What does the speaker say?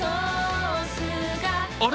あれ？